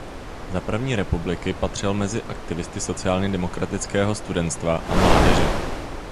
Za první republiky patřil mezi aktivisty sociálně demokratického studentstva a mládeže.